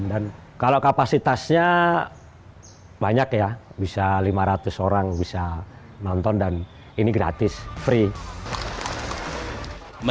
dan kalau kapasitasnya banyak ya bisa lima ratus orang bisa nonton dan ini gratis free